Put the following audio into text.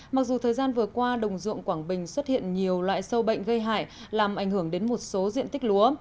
mặc dù thời gian vừa qua đồng ruộng quảng bình xuất hiện nhiều loại sâu bệnh gây hại làm ảnh hưởng đến một số diện tích lúa